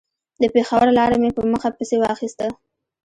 د پېښور لاره مې په مخه پسې واخيسته.